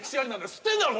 吸ってんだろ